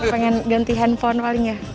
pengen ganti handphone paling ya